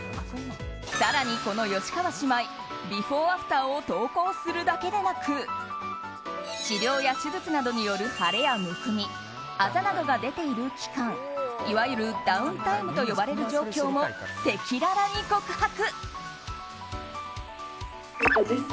更に、この吉川姉妹ビフォーアフターを投稿するだけでなく治療や手術などによる腫れや、むくみあざなどが出ている期間いわゆるダウンタイムと呼ばれる状況も赤裸々に告白。